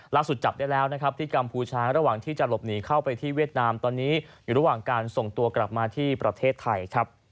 จับได้แล้วนะครับที่กัมพูชาระหว่างที่จะหลบหนีเข้าไปที่เวียดนามตอนนี้อยู่ระหว่างการส่งตัวกลับมาที่ประเทศไทยครับ